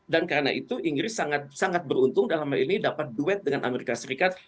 dan karena itu inggris sangat beruntung dalam hal ini dapat duet dengan amerika serikat